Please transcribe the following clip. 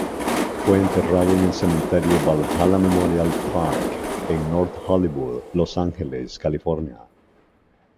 Fue enterrado en el Cementerio Valhalla Memorial Park, en North Hollywood, Los Ángeles, California.